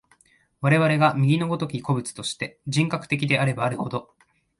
我々が右の如き個物として、人格的であればあるほど、